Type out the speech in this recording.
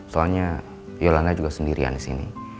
soalnya yolana juga sendirian di sini